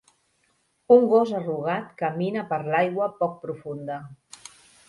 Un gos arrugat camina per l'aigua poc profunda.